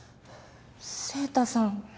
晴太さん